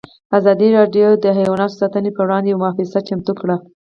ازادي راډیو د حیوان ساتنه پر وړاندې یوه مباحثه چمتو کړې.